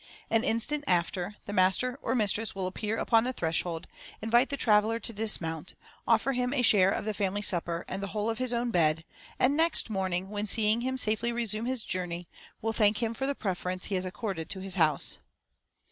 An instant after, the master or mistress will appear upon the threshold, invite the traveller to dismount; offer him a share of the family supper and the whole of his own bed, and next morning, when seeing him safely resume his journey, will thank him for the preference he has accorded to his house.